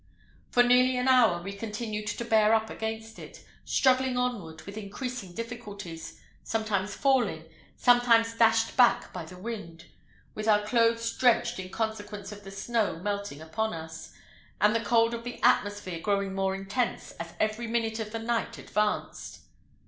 For nearly an hour we continued to bear up against it, struggling onward with increasing difficulties, sometimes falling, sometimes dashed back by the wind, with our clothes drenched in consequence of the snow melting upon us, and the cold of the atmosphere growing more intense as every minute of the night advanced.